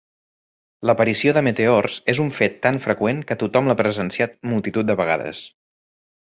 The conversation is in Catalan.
L'aparició de meteors és un fet tan freqüent que tothom l'ha presenciat multitud de vegades.